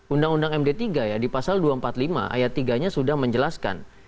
undang undang md tiga ya di pasal dua ratus empat puluh lima ayat tiga nya sudah menjelaskan